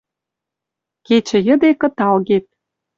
Кечӹ йӹде кыталгет.